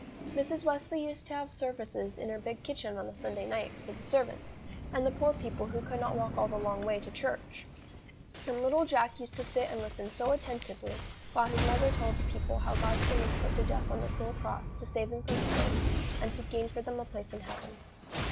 Mrs. Wesley used to have services in her big kitchen on a Sunday night, for the servants, and the poor people who could not walk all the long way to church; and little Jack used to sit and listen so attentively, while his mother told the people how God's Son was put to death on the cruel cross, to save them from sin, and to gain for them a place in heaven.